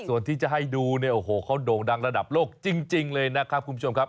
ส่วนที่จะให้ดูเนี่ยโอ้โหเขาโด่งดังระดับโลกจริงเลยนะครับคุณผู้ชมครับ